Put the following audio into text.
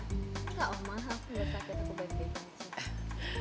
enggak omah aku enggak sakit aku baik baik saja